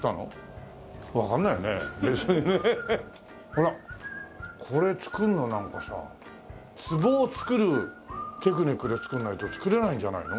ほらこれ作るのなんかさ壺を作るテクニックで作んないと作れないんじゃないの？